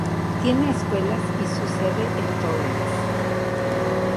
Tiene escuelas y su sede en Torrance.